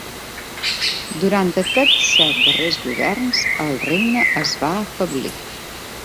Durant aquests set darrers governs el regne es va afeblir.